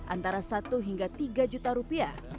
antara satu hingga tiga juta rupiah